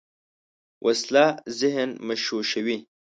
وسله ذهن مشوشوي